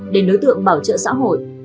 đối với đối tượng bảo trợ xã hội